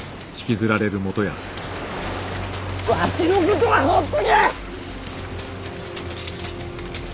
わしのことは放っとけ！